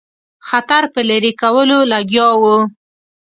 خطر په لیري کولو لګیا وو.